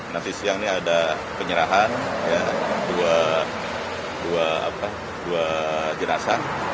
nanti siang ini ada penyerahan dua jenazah